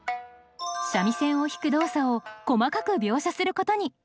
三味線を弾く動作を細かく描写することに。